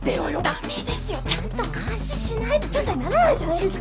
だめですよちゃんと監視しないと調査にならないじゃないですか。